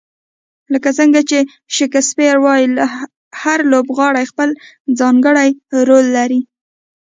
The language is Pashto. لکه څنګه چې شکسپیر وایي، هر لوبغاړی خپل ځانګړی رول لري.